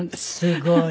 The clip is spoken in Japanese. すごい。